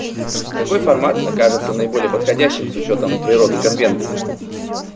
Какой формат окажется наиболее подходящим с учетом природы Конвенции?